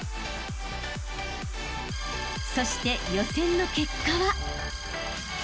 ［そして予選の結果は］